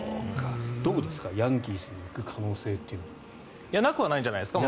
どうですか、ヤンキースに行く可能性というのは。なくはないんじゃないですか。